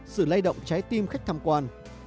sự lay động trái tim khách tham quan